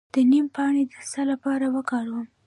د نیم پاڼې د څه لپاره وکاروم؟